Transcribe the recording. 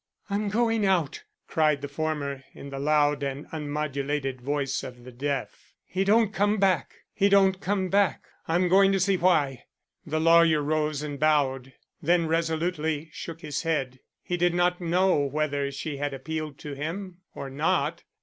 "I'm going out," cried the former in the loud and unmodulated voice of the deaf. "He don't come back! he don't come back! I'm going to see why." The lawyer rose and bowed; then resolutely shook his head. He did not know whether she had appealed to him or not.